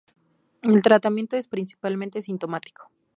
El tratamiento es principalmente sintomático.